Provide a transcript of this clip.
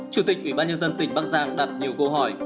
chủ tịch ubnd tỉnh bác giang đặt nhiều câu hỏi